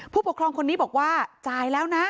ผู้ปกครองคนนี้บอกว่าจ่ายแล้วนะ